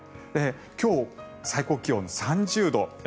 今日、最高気温３０度。